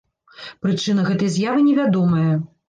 Прычына гэтай з'явы невядомая.